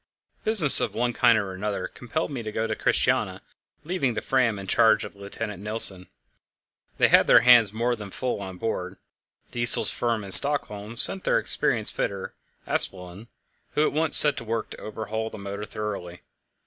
Business of one kind and another compelled me to go to Christiania, leaving the Fram in charge of Lieutenant Nilsen. They had their hands more than full on board. Diesel's firm in Stockholm sent their experienced fitter, Aspelund, who at once set to work to overhaul the motor thoroughly.